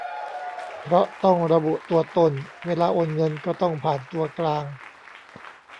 เพราะต้องระบุตัวตน เวลาโอนเงินก็ต้องผ่านตัวกลาง